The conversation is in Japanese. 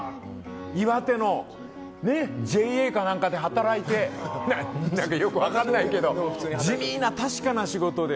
岩手のＪＡか何かで働いてよく分からないけど地味な確かな仕事で。